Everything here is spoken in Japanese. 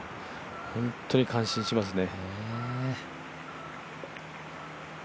本当に感心しますね。